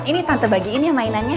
ini tante bagiin ya mainannya